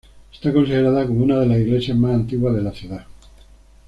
Está considerada como una de las iglesias más antiguas de la ciudad.